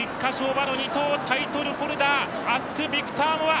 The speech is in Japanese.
馬の２頭タイトルホルダーアスクビクターモア。